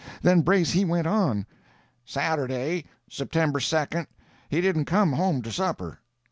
Then Brace he went on, "Saturday, September 2d, he didn't come home to supper.